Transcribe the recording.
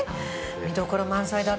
見どころ満載だった。